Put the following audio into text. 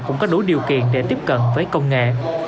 cũng có đủ điều kiện để tiếp cận với công nghệ